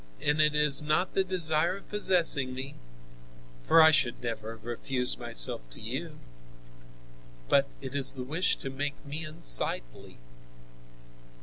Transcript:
And it is not the desire of possessing me—for I should never have refused myself to you, but it is the wish to make me unsightly.